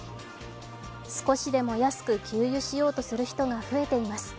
少しでも安く給油しようとする人が増えています。